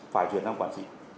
phải chuyển sang quản trị